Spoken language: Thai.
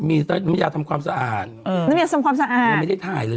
มีน้ำยาทำความสะอาด